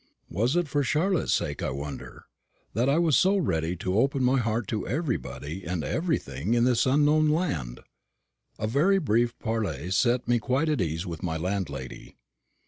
Was it for Charlotte's sake, I wonder, that I was so ready to open my heart to everybody and everything in this unknown land? A very brief parley set me quite at ease with my landlady.